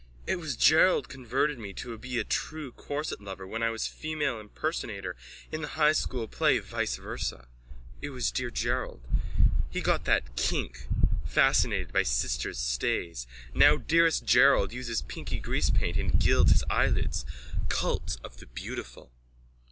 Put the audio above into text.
_ It was Gerald converted me to be a true corsetlover when I was female impersonator in the High School play Vice Versa. It was dear Gerald. He got that kink, fascinated by sister's stays. Now dearest Gerald uses pinky greasepaint and gilds his eyelids. Cult of the beautiful.